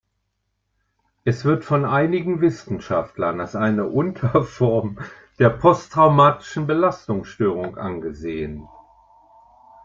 Es wird von einigen Wissenschaftlern als eine Unterform der "posttraumatischen Belastungsstörung" angesehen.